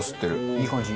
いい感じ。